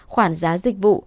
khoản giá dịch vụ